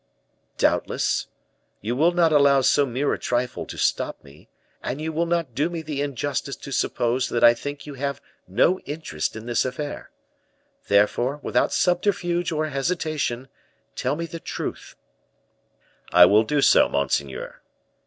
"Doubtless. You will not allow so mere a trifle to stop me, and you will not do me the injustice to suppose that I think you have no interest in this affair. Therefore, without subterfuge or hesitation, tell me the truth " "I will do so, monseigneur.